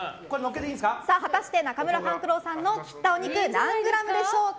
果たして中村勘九郎さんの切ったお肉何グラムでしょうか。